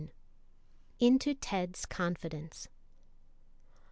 INTO TED'S CONFIDENCE.